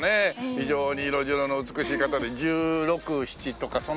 非常に色白の美しい方で１６１７とかそんな辺りかな？